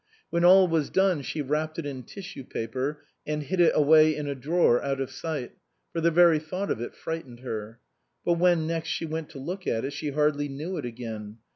When all was done she wrapped it in tissue paper and hid it away in a drawer out of sight, for the very thought of it frightened her. But when next she went to look at it she hardly knew it again.